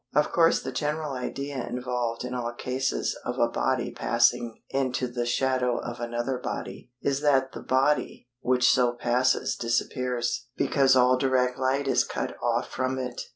Of course the general idea involved in all cases of a body passing into the shadow of another body is that the body which so passes disappears, because all direct light is cut off from it.